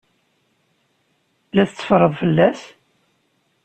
La tetteffreḍ fell-as?